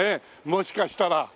もしかしたら。